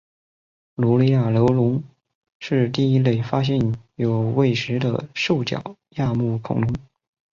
卢雷亚楼龙是第一类发现有胃石的兽脚亚目恐龙。